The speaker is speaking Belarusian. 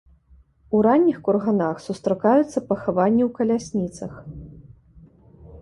У ранніх курганах сустракаюцца пахаванні ў калясніцах.